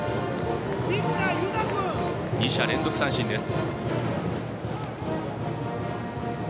２者連続三振です。